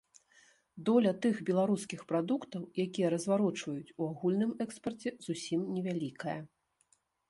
Доля тых беларускіх прадуктаў, якія разварочваюць, у агульным экспарце зусім невялікая.